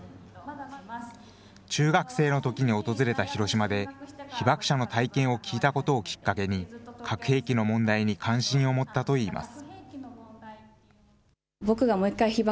中学生のときに訪れた広島で、被爆者の体験を聞いたことをきっかけに、核兵器の問題に関心を持ったといいます。